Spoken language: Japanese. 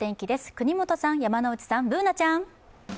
國本さん、山内さん、Ｂｏｏｎａちゃん。